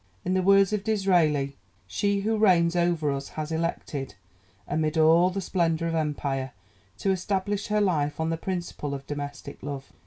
In the words of Disraeli: "She who reigns over us has elected, amid all the splendour of empire, to establish her life on the principle of domestic love.